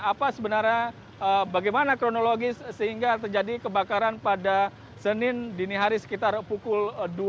apa sebenarnya bagaimana kronologis sehingga terjadi kebakaran pada senin dini hari sekitar pukul dua puluh